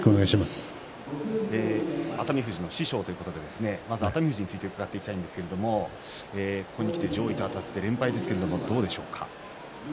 熱海富士の師匠ということでまず熱海富士について伺っていきたいんですけどここにきて上位とあたって連敗ですけれどどうでしょうか。